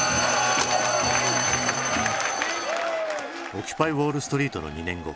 オキュパイウォールストリートの２年後。